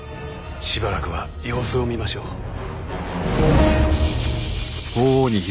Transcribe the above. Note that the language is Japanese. しばらくは様子を見ましょう。